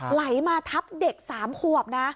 ไหลมาทับเด็ก๓ขวบนะ